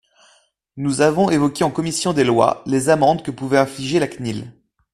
Nous avons évoqué en commission des lois les amendes que pouvait infliger la CNIL.